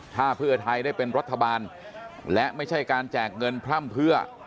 ถ้าเพื่อไทยได้เป็นรัฐบาลและไม่ใช่การแจกเงินพร่ำเพื่อ